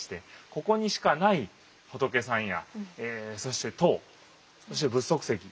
ここにしかない仏さんやそして塔そして仏足石水煙